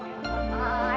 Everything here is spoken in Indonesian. selamat datang selamat datang